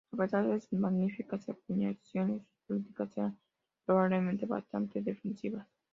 A pesar de sus magníficas acuñaciones, sus políticas eran probablemente bastante defensivas.